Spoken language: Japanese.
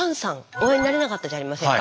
お会いになれなかったじゃありませんか。